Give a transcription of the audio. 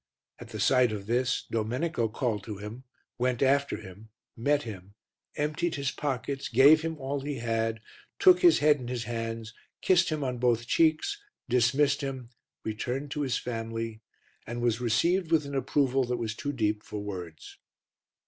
At the sight of this, Domenico called to him, went after him, met him, emptied his pockets, gave him all he had, took his head in his hands, kissed him on both cheeks, dismissed him, returned to his family and was received with an approval that was too deep for words.